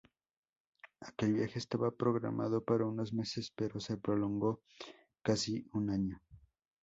Aquel viaje estaba programado para unos meses pero se prolongó casi un año.